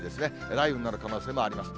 雷雨になる可能性あります。